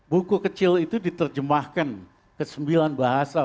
buku kecil itu diterjemahkan ke sembilan bahasa